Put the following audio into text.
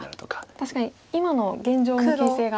確かに今の現状の形勢が。